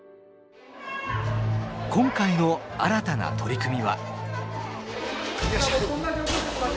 今回の新たな取り組みは。